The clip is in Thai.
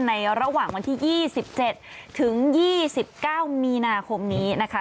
ระหว่างวันที่๒๗ถึง๒๙มีนาคมนี้นะคะ